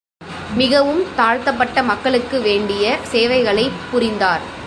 மிகவும் தாழ்த்தப்பட்ட மக்களுக்கு வேண்டிய சேவைகளைப் புரிந்தார்.